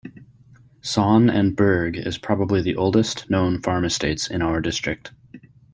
Sogn and Berg is probably the oldest, known farm estates in our district.